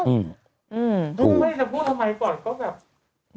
ไม่ได้จะพูดทำไมก่อนก็แบบ